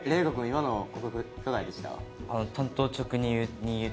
今の告白いかがでした？